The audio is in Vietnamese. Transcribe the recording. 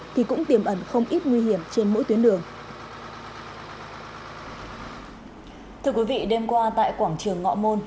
thì cũng tiềm ẩn không ít nguy hiểm trên mỗi tuyến đường